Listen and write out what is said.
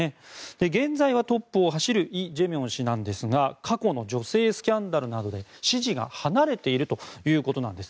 現在はトップを走るイ・ジェミョン氏なんですが過去の女性スキャンダルなどで支持が離れているということなんです。